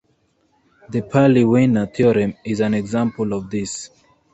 The Paley-Wiener theorem is an example of this.